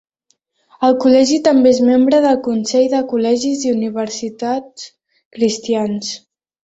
El col·legi també és membre del Consell de Col·legis i Universitats Cristians.